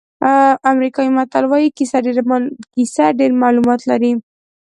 امریکایي متل وایي کیسه ډېر معلومات لري.